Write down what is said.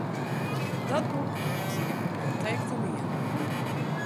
Dat boek is yn de biblioteek te lien.